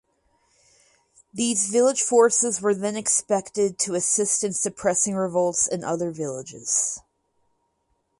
These village forces were then expected to assist in suppressing revolts in other villages.